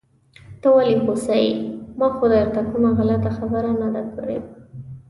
ته ولې غوسه يې؟ ما خو درته کومه غلطه خبره نده کړي.